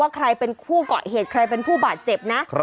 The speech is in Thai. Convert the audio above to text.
ใครเป็นคู่เกาะเหตุใครเป็นผู้บาดเจ็บนะ